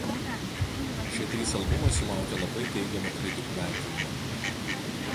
Šie trys albumai sulaukė labai teigiamo kritikų vertinimo.